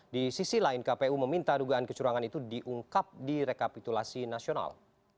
di sisi lain kpu meminta dugaan kecurangan itu diungkap di rekapitulasi nasional